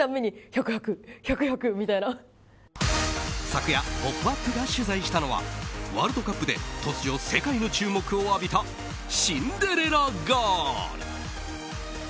昨夜、「ポップＵＰ！」が取材したのはワールドカップで突如、世界の注目を浴びたシンデレラガール。